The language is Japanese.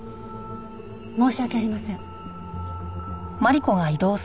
申し訳ありません。